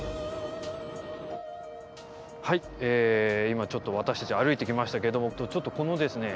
今ちょっと私たちは歩いてきましたけれどもちょっとこのですね